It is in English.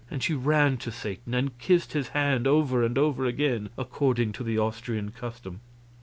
And she ran to Satan and kissed his hand, over and over again, according to the Austrian custom.